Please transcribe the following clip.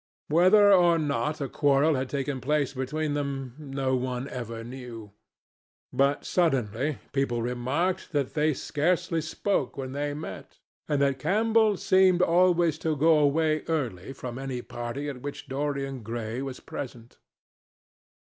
Whether or not a quarrel had taken place between them no one ever knew. But suddenly people remarked that they scarcely spoke when they met and that Campbell seemed always to go away early from any party at which Dorian Gray was present.